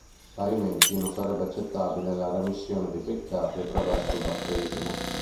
Parimenti, non sarebbe accettabile la remissione dei peccati attraverso il battesimo.